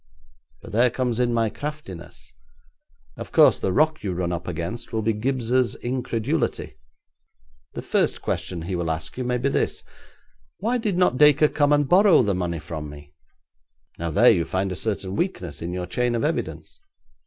But there comes in my craftiness. Of course, the rock you run up against will be Gibbes's incredulity. The first question he will ask you may be this: "Why did not Dacre come and borrow the money from me?" Now there you find a certain weakness in your chain of evidence.